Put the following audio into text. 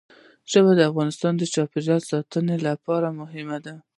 ژبې د افغانستان د چاپیریال ساتنې لپاره مهم دي.